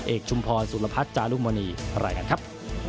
เอกชุมพรสุรพัฒน์จารุมณีไหล่กันครับ